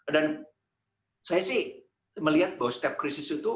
dan saya sih melihat bahwa setiap krisis itu